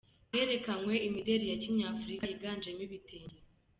Herekanywe imideli ya Kinyafurika yiganjemo ibitenge.